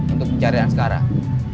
untuk pencarian sekarang